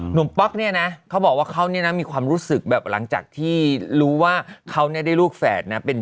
ป๊อกเนี่ยนะเขาบอกว่าเขาเนี่ยนะมีความรู้สึกแบบหลังจากที่รู้ว่าเขาเนี่ยได้ลูกแฝดนะ